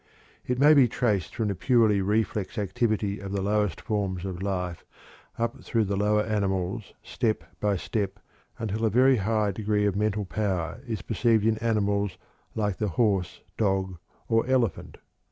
It may be traced from the purely reflex activity of the lowest forms of life up through the lower animals, step by step, until a very high degree of mental power is perceived in animals like the horse, dog, or elephant.